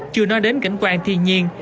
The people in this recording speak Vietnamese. chưa nói đến cảnh quan thiên nhiên